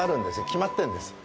決まってるんですよ。